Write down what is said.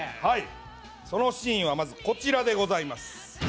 そのシーンはこちらでございます。